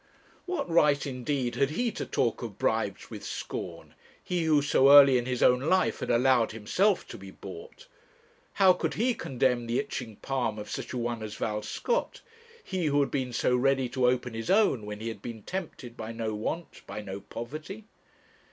What right, indeed, had he to talk of bribes with scorn he who so early in his own life had allowed himself to be bought? How could he condemn the itching palm of such a one as Val Scott he who had been so ready to open his own when he had been tempted by no want, by no poverty?